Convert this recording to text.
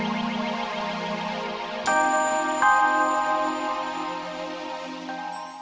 kamu bicara sama siapa